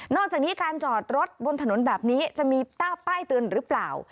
จากนี้การจอดรถบนถนนแบบนี้จะมีป้ายเตือนหรือเปล่า